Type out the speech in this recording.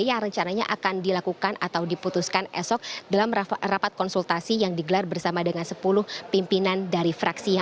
yang rencananya akan dilakukan atau diputuskan esok dalam rapat konsultasi yang digelar bersama dengan sepuluh pimpinan dari fraksi